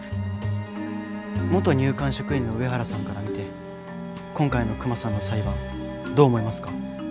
元入管職員の上原さんから見て今回のクマさんの裁判どう思いますか？